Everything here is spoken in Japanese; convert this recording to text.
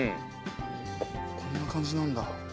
こんな感じなんだ。